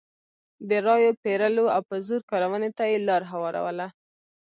د رایو پېرلو او په زور کارونې ته یې لار هواروله.